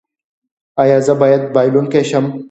ایا زه باید بایلونکی شم؟